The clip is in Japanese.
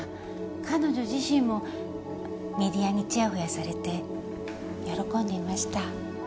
彼女自身もメディアにちやほやされて喜んでいました。